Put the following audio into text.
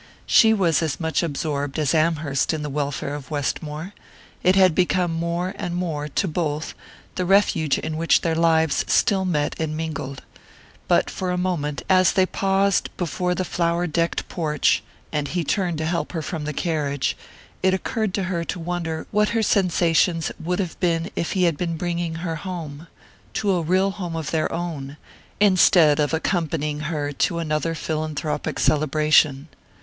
She was as much absorbed as Amherst in the welfare of Westmore, it had become more and more, to both, the refuge in which their lives still met and mingled; but for a moment, as they paused before the flower decked porch, and he turned to help her from the carriage, it occurred to her to wonder what her sensations would have been if he had been bringing her home to a real home of their own instead of accompanying her to another philanthropic celebration.